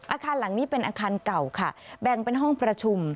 อาคารหลังนี้เป็นอาคารเก่าค่ะแบ่งเป็นห้องประชุม